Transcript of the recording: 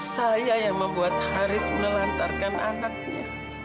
saya yang membuat haris melantarkan anaknya